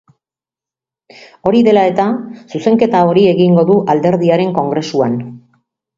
Hori dela eta, zuzenketa hori egingo du alderdiaren kongresuan.